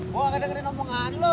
kok aku dengerin omongan lo